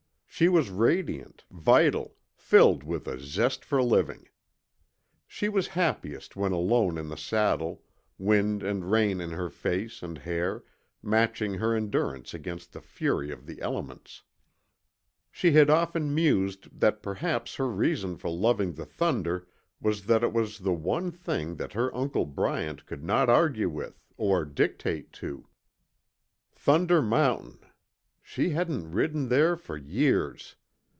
She was radiant, vital, filled with a zest for living. She was happiest when alone in the saddle, wind and rain in her face and hair, matching her endurance against the fury of the elements. She had often mused that perhaps her reason for loving the thunder was that it was the one thing that her Uncle Bryant could not argue with, or dictate to. Thunder Mountain! She hadn't ridden there for years.